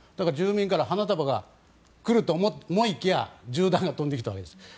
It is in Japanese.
住民から花束が来ると思いきや銃弾が飛んできたわけです。